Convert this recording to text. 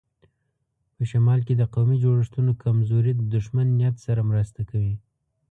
په شمال کې د قومي جوړښتونو کمزوري د دښمن نیت سره مرسته کوي.